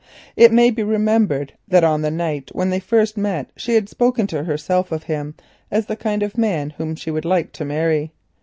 It may be remembered that on the night when they first met she had spoken to herself of him as the kind of man whom she would like to marry.